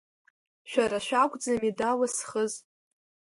Шәара шәакәӡами далызхыз?